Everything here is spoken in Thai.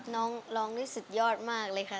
น้องร้องนี่สุดยอดมากเลยค่ะ